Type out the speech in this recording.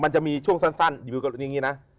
มันจะมีช่วงสั้นอยู่กับอย่างนี้นะ